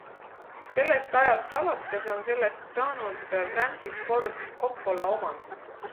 Sellest ajast alates on sellest saanud Francis Ford Coppola omand.